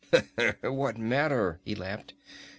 "What matter?" he laughed.